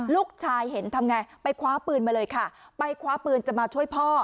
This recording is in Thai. ลูกชายเห็นทำไงไปคว้าปืนมาเลยค่ะไปคว้าปืนจะมาช่วยพ่อ